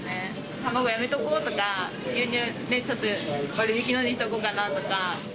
卵やめとこうとか、牛乳、ちょっと割り引きのにしとこうかなとか。